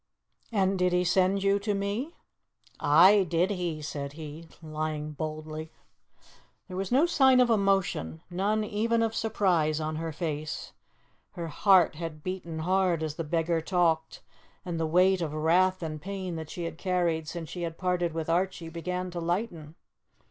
"And did he send you to me?" "Aye, did he," said he, lying boldly. There was no sign of emotion, none even of surprise, on her face. Her heart had beaten hard as the beggar talked, and the weight of wrath and pain that she had carried since she had parted with Archie began to lighten.